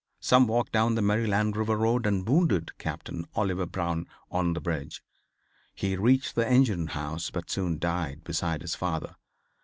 Some walked down the Maryland river road and wounded Captain Oliver Brown on the bridge. He reached the engine house but soon died beside his father.